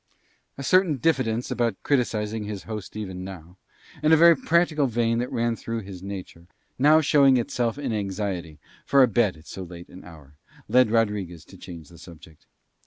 A certain diffidence about criticising his host even now; and a very practical vein that ran through his nature, now showing itself in anxiety for a bed at so late an hour, led Rodriguez to change the subject.